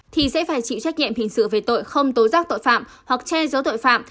thì sẽ phải chịu trách nhiệm hình sự về tội không tố giác tội phạm hoặc che giấu tội phạm